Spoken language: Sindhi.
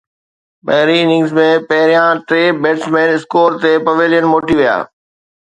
پهرين اننگز ۾ پهريان ٽي بيٽسمين اسڪور تي پويلين موٽي ويا.